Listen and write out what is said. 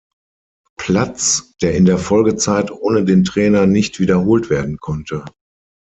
Platz, der in der Folgezeit ohne den Trainer nicht wiederholt werden konnte.